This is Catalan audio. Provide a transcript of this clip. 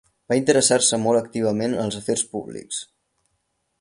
Va interessar-se molt activament en els afers públics.